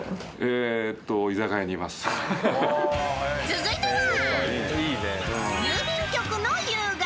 ［続いては］